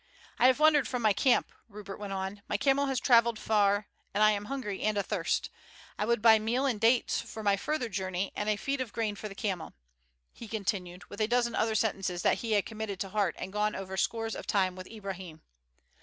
"I have wandered from my camp," Rupert went on; "my camel has travelled far, and I am hungry and athirst. I would buy meal and dates for my further journey, and a feed of grain for the camel," he continued, with a dozen other sentences that he had committed to heart and gone over scores of times with Ibrahim.